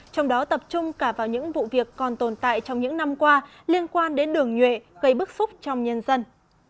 trong đó tập trung cả vào những vụ việc còn tồn tại trong những năm qua liên quan đến đường nhuệ gây bức xúc trong nhân dân